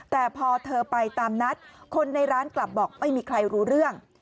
แต่พอเธอไปตามนัดคนในร้านกลับบอกไม่มีใครรู้เรื่อง